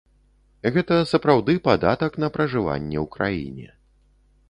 Гэта сапраўды падатак на пражыванне ў краіне.